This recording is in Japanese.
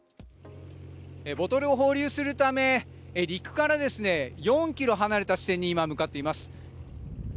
ボトルを放流するため陸から４ｋｍ離れた地点に今、向かっています。